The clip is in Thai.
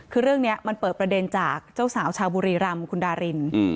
คือเรื่องนี้มันเปิดประเด็นจากเจ้าสาวชาวบุรีรำคุณดาริน